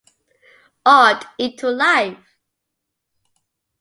Art into life!